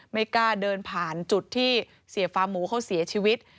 ไม่กล้าเดินผ่านจุดที่เสียฟาร์หมูเขาเสียชีวิต